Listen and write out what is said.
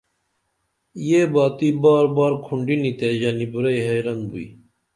یہ باتی باربار کھنڈینی تے ژنیبُرئی حیرن بوئی